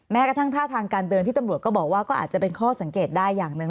แม้กระทั่งท่าทางการเดินที่ตำรวจก็บอกว่าก็อาจจะเป็นข้อสังเกตได้อย่างหนึ่ง